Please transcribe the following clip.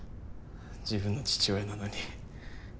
自分の父親なのに。